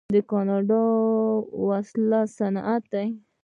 کاناډا د وسلو صنعت لري.